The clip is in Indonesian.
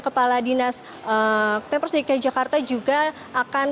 kepala dinas pemprov dki jakarta juga akan